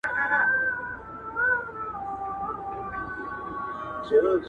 • دغه تیارې غواړي د سپینو څراغونو کیسې,